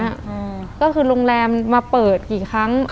อย่างเงี้ยก็คือโรงแรมมาเปิดกี่ครั้งครับ